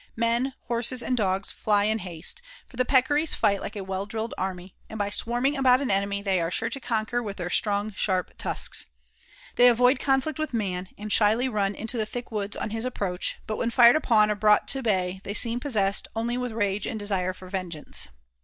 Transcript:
Men, Horses, and Dogs fly in haste, for the Peccaries fight like a well drilled army, and by swarming about an enemy they are sure to conquer with their strong, sharp tusks. They avoid conflict with man, and shyly run into the thick woods on his approach, but when fired upon or brought to bay they seem possessed only with rage and desire for vengeance.